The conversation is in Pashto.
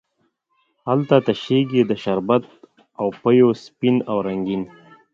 هلته تشیږې د شربت او پېو سپین او رنګین،